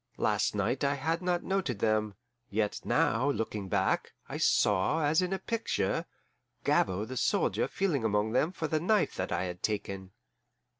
Last night I had not noted them, yet now, looking back, I saw, as in a picture, Gabord the soldier feeling among them for the knife that I had taken.